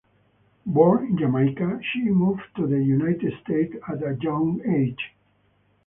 Born in Jamaica, she moved to the United States at a young age.